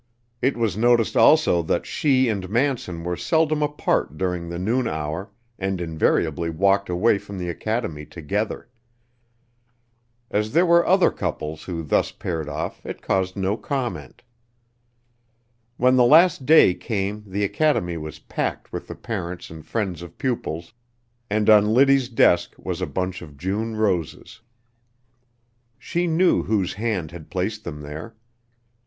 It was noticed also that she and Manson were seldom apart during the noon hour, and invariably walked away from the academy together. As there were other couples who thus paired off it caused no comment. When the last day came the academy was packed with the parents and friends of pupils, and on Liddy's desk was a bunch of June roses. She knew whose hand had placed them there.